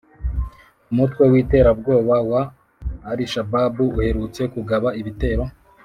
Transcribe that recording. Umutwe witera bwoba wa alishababu uherutse kugaba ibitero